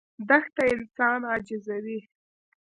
دښته انسان عاجزوي.